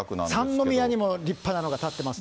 三宮にも立派なのが建ってますね。